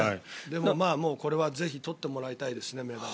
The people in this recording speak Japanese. でもこれはぜひ取ってもらいたいですね。